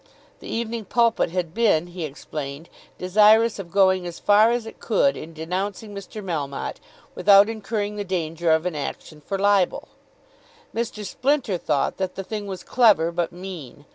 The "Evening Pulpit" had been, he explained, desirous of going as far as it could in denouncing Mr. Melmotte without incurring the danger of an action for libel. Mr. Splinter thought that the thing was clever but mean.